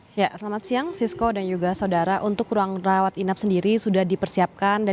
hai ya selamat siang cisco dan juga saudara untuk ruang rawat inap sendiri sudah dipersiapkan dan